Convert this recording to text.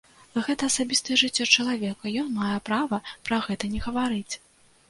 Гэта асабістае жыццё чалавека, і ён мае права пра гэта не гаварыць.